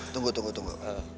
tunggu tunggu tunggu